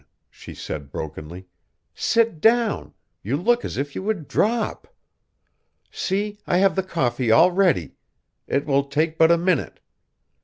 she said brokenly. "Sit down, you look as if you would drop. See, I have the coffee all ready; it will take but a minute."